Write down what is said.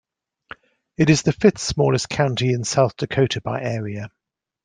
It is the fifth-smallest county in South Dakota by area.